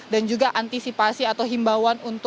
dan juga antisipasi atau himbauan untuk menunggu